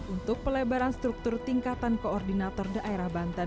untuk pelebaran struktur tingkatan koordinator daerah banten